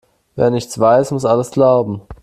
Wer nichts weiß, muss alles glauben.